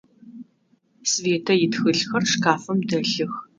Светэ итхылъхэр шкафым дэлъых.